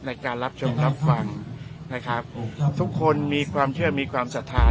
ในการรับชมรับฟังนะครับทุกคนมีความเชื่อมีความศรัทธา